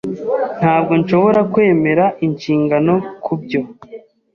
Ntabwo nshobora kwemera inshingano kubyo.